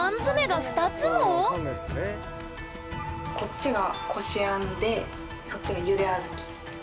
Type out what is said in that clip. こっちがこしあんでこっちがゆであずき。